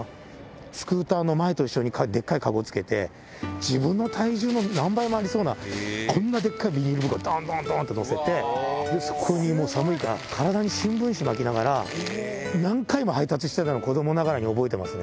スクーターの前と後ろにでっかい籠つけて、自分の体重の何倍もありそうな、こんなでっかいビニール袋をどんどんどんと載せて、そこにもう寒いから、体に新聞紙巻きながら、何回も配達してたの、子どもながらに覚えてますね。